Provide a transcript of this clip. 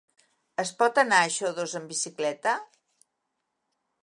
Es pot anar a Xodos amb bicicleta?